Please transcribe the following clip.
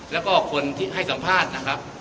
แล้วก็คนที่ให้สัมภาษณ์นะครับ